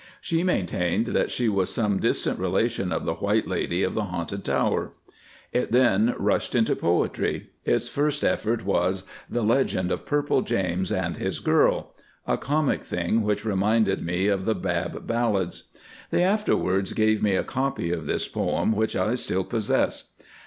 She maintained that she was some distant relation of the White Lady of the Haunted Tower. It then rushed into poetry. Its first effort was the "Legend of Purple James and his Girl," a comic thing which reminded me of the "Bab Ballads." They afterwards gave me a copy of this poem, which I still possess.